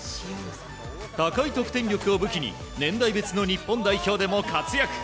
高い得点力を武器に年代別の日本代表でも活躍。